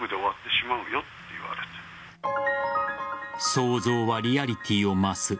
想像はリアリティーを増す。